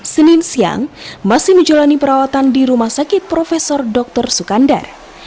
senin siang masih menjalani perawatan di rumah sakit prof dr sukandar